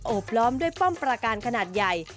บล้อมด้วยป้อมประการขนาดใหญ่